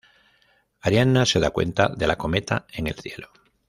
Ariana se da cuenta de la cometa en el cielo.